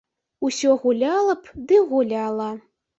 Усё гуляла б ды гуляла.